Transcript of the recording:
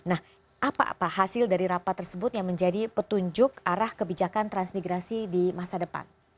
nah apa hasil dari rapat tersebut yang menjadi petunjuk arah kebijakan transmigrasi di masa depan